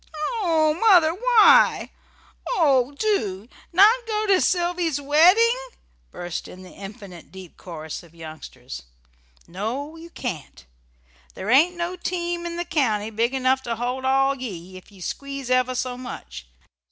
"Oh, Mother! Why? Oh, do! Not go to Sylvy's wedding?" burst in the "infinite deep chorus" of youngsters. "No, you can't. There ain't no team in the county big enough to hold ye all, if ye squeeze ever so much.